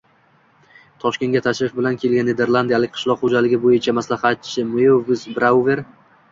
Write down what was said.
Toshkentga tashrif bilan kelgan niderlandiyalik qishloq xo‘jaligi bo‘yicha maslahatchi Meuves Brauver